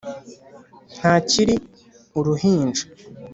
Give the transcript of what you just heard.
ntakiri uruhinja.